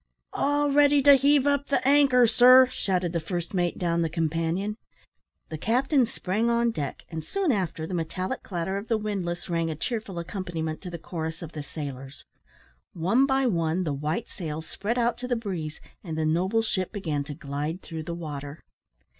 "All ready to heave up the anchor, sir," shouted the first mate down the companion. The captain sprang on deck, and soon after the metallic clatter of the windlass rang a cheerful accompaniment to the chorus of the sailors. One by one the white sails spread out to the breeze, and the noble ship began to glide through the water.